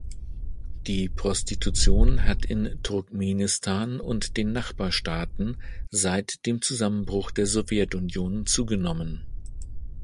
Die Prostitution hat in Turkmenistan und den Nachbarstaaten seit dem Zusammenbruch der Sowjetunion zugenommen.